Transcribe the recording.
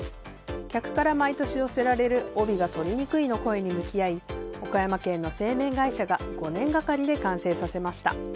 客から毎年寄せられる帯が取りにくいの声に向き合い岡山県の製麺会社が５年がかりで完成させました。